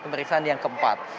pemeriksaan yang keempat